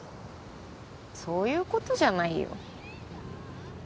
そういう事じゃないよ。